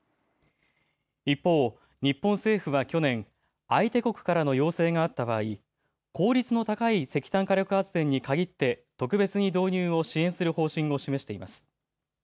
一方、日本政府は去年、相手国からの要請があった場合、効率の高い石炭火力発電に限って特別に導入を支援する方針を示しています。